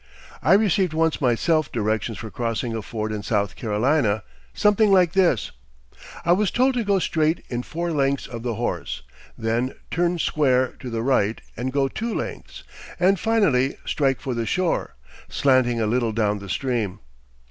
I received once myself directions for crossing a ford in South Carolina something like this: I was told to go straight in four lengths of the horse; then "turn square to the right" and go two lengths; and finally "strike for the shore, slanting a little down the stream."